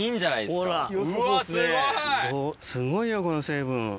すごいよこの成分。